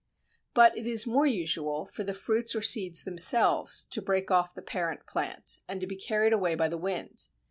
But it is more usual for the fruits or seeds themselves to break off the parent plant, and to be carried away by the wind.